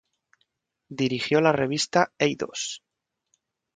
Dirigió la revista "Eidos.